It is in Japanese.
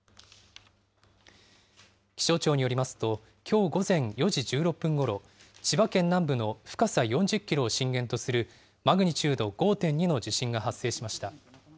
気象庁によりますと、きょう午前４時１６分ごろ、千葉県南部の深さ４０キロを震源とするマグニチュード５．２の地震が発生しました。